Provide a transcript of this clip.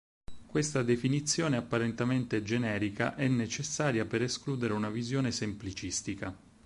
Questa definizione apparentemente generica è necessaria per escludere una visione semplicistica.